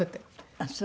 ああそう！